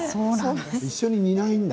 一緒に煮ないんだ？